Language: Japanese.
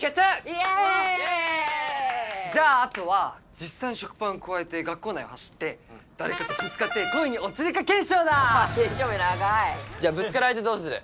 イエーイじゃああとは実際に食パン咥えて学校内を走ってだれかとぶつかって恋に落ちるか検証だ検証名長いじゃあぶつかる相手どうする？